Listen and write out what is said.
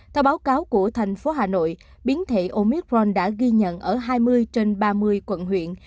theo báo cáo của thành phố hà nội biến thể omicron đã ghi nhận ở hai mươi trên ba mươi quận huyện